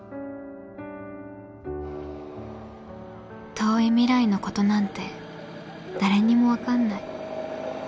遠い未来のことなんて誰にもわかんない。